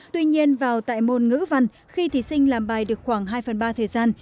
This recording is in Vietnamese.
tuy nhiên vào tại môn ngữ văn khi thí sinh làm bài được khoảng hai phần ba thời gian